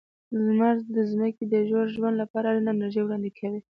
لمر د ځمکې د ژور ژوند لپاره اړینه انرژي وړاندې کوي.